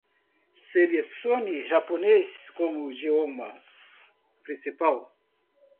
Selecione japonês como idioma principal.